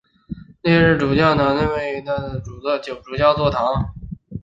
列日主教座堂是位于比利时城市列日的一座罗马天主教的主教座堂。